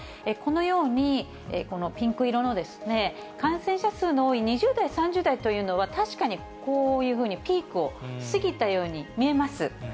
このように、このピンク色のですね、感染者数の多い２０代、３０代というのは確かにこういうふうに、ピークを過ぎたように見えます。